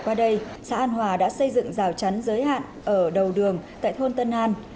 xã an hòa đã xây dựng rào chắn giới hạn ở đầu đường tại thôn tân an